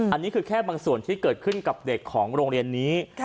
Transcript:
อันนี้คือแค่บางส่วนที่เกิดขึ้นกับเด็กของโรงเรียนนี้